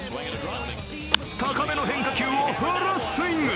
高めの変化球をフルスイング。